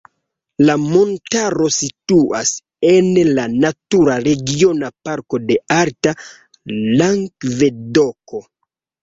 La montaro situas en la Natura Regiona Parko de Alta Langvedoko.